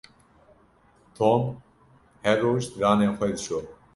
Tom her roj diranên xwe dişo.